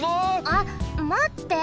あっまって！